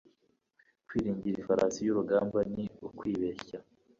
Kwiringira ifarasi y’urugamba ni ukwibeshya